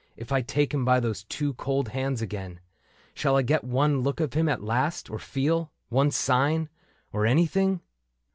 If I take him by those two cold hands again. Shall I get one look of him at last, or feel One sign — or anything